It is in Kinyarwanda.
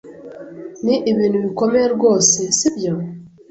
Ni ibintu bikomeye rwose, sibyo?